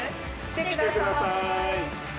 来てください。